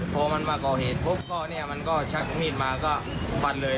พอมันมาก่อเหตุปุ๊บก็เนี่ยมันก็ชักมีดมาก็ฟันเลย